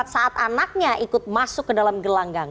saat anaknya ikut masuk ke dalam gelanggang